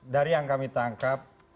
dari yang kami tangkap